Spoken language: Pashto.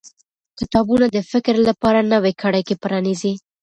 کتابونه د فکر لپاره نوې کړکۍ پرانیزي